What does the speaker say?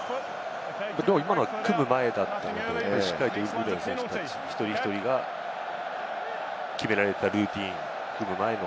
今のは組む前だったので、しっかりウルグアイの選手、１人１人が決められたルーティン、組む前の。